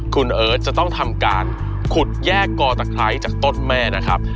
คุณเอิร์ทจะต้องทำการขุดแยกกอตะไคร้จากต้นแม่นะครับ